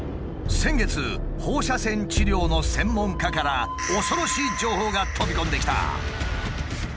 先月放射線治療の専門家から恐ろしい情報が飛び込んできた。